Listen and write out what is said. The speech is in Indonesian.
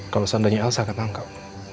kalau sandanya elsa ketangkap